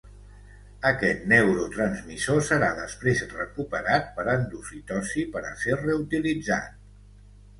Aquest neurotransmissor serà després recuperat per endocitosi per a ser reutilitzat.